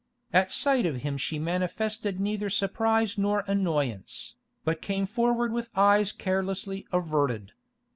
At sight of him she manifested neither surprise nor annoyance, but came forward with eyes carelessly averted.